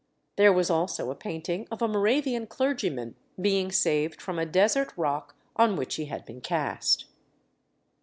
There was also a painting of a Moravian clergyman being saved from a desert rock on which he had been cast.